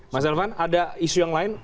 mas elvan ada isu yang lain